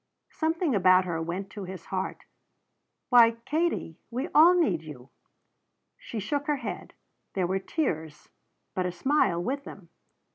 Something about her went to his heart. "Why, Katie we all need you." She shook her head; there were tears, but a smile with them.